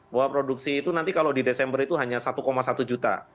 bahwa produksi itu nanti kalau di desember itu hanya satu satu juta